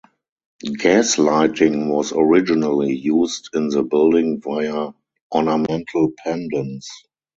Gas lighting was originally used in the building via ornamental pendants.